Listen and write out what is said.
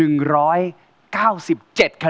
ยังเพราะความสำคัญ